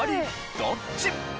どっち？